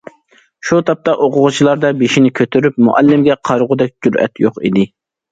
شۇ تاپتا ئوقۇغۇچىلاردا بېشىنى كۆتۈرۈپ مۇئەللىمگە قارىغۇدەك جۈرئەت يوق ئىدى.